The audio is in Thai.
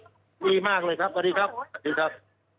ดีมากเลยครับสวัสดีครับสวัสดีครับ